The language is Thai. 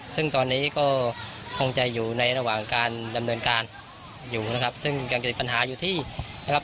ซึ่งตอนนี้ก็คงจะอยู่ในระหว่างการดำเนินการอยู่นะครับซึ่งยังจะมีปัญหาอยู่ที่นะครับ